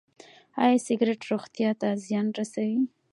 ایا سګرټ روغتیا ته زیان رسوي؟